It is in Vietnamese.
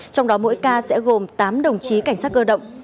trong đó mỗi ca sẽ gồm tám đồng chí cảnh sát cơ động